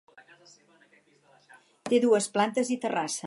Té dues plantes i terrassa.